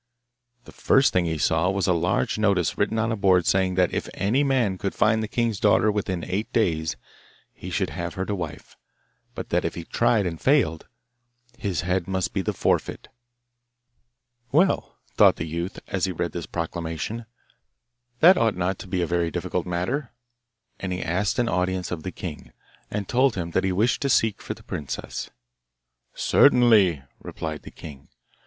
The first thing he saw was a large notice written on a board saying that if any man could find the king's daughter within eight days he should have her to wife, but that if he tried and failed his head must be the forfeit. 'Well,' thought the youth as he read this proclamation, 'that ought not to be a very difficult matter;' and he asked an audience of the king, and told him that he wished to seek for the princess. 'Certainly,' replied the king.